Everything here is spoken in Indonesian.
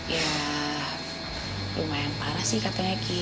ya lumayan parah sih katanya